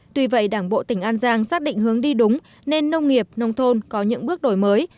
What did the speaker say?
tuy vậy đảng bộ tỉnh an giang xác định hướng đi đúng nên nông nghiệp nông thôn có những bước đổi mới